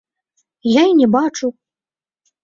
Я і не бачу!